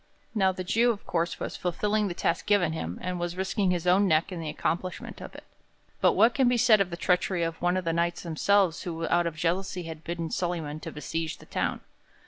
Now the Jew, of course, was fulfilling the task given him, and was risking his own neck in the accomplishment of it. But what can be said of the treachery of one of the Knights themselves who out of jealousy had bidden Solyman to besiege the town?